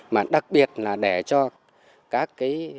mà đặc biệt là để cho các cái